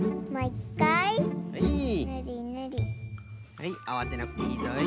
はいあわてなくていいぞい。